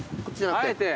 あえて。